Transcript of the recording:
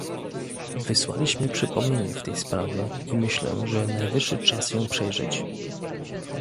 Wysłaliśmy przypomnienie w tej sprawie i myślę, że najwyższy czas ją przejrzeć